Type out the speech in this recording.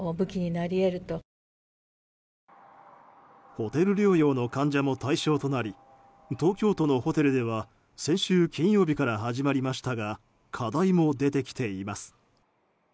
ホテル療養の患者も対象となり東京都のホテルでは先週金曜日から始まりましたが課題も出てきています。